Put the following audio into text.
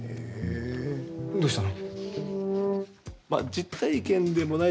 どうしたの？